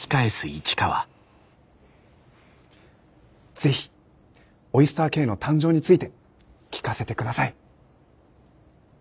ぜひオイスターＫの誕生について聞かせて下さい。